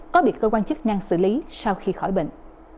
có bị cơ quan chức năng xử lý sau khi khỏi bệnh